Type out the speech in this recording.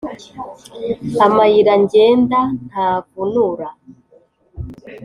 Amayira ngenda ntavunura.